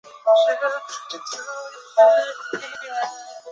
来自其他国家的犹太人在入境北朝鲜时亦经历到麻烦。